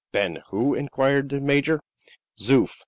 "Ben who?" inquired the major. "Zoof!